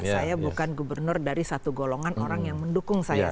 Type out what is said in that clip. saya bukan gubernur dari satu golongan orang yang mendukung saya